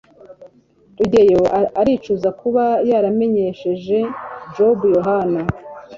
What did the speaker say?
rugeyo aricuza kuba yaramenyesheje jabo yohana